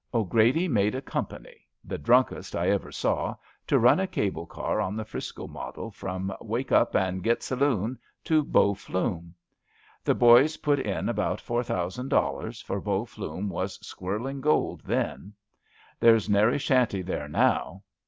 'Grady made a company — ^the drunkest I ever saw — to run a cable car on the 'Frisco model from * Wake Up an' Git Saloon ' to Bow Flume. The boys put in about four thousand dollars, for Bow Flume was squirt ing gold then. There's nary shanty there now.